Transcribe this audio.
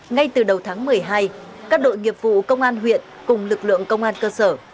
ngay từ đầu tháng một mươi hai các đội nghiệp vụ công an huyện cùng lực lượng công an cơ sở